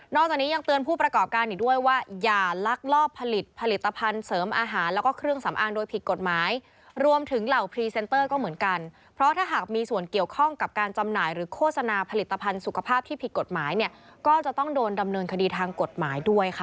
จากนี้ยังเตือนผู้ประกอบการอีกด้วยว่าอย่าลักลอบผลิตผลิตภัณฑ์เสริมอาหารแล้วก็เครื่องสำอางโดยผิดกฎหมายรวมถึงเหล่าพรีเซนเตอร์ก็เหมือนกันเพราะถ้าหากมีส่วนเกี่ยวข้องกับการจำหน่ายหรือโฆษณาผลิตภัณฑ์สุขภาพที่ผิดกฎหมายเนี่ยก็จะต้องโดนดำเนินคดีทางกฎหมายด้วยค่ะ